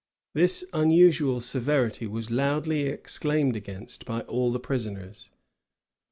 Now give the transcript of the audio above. This unusual severity was loudly exclaimed against by all the prisoners.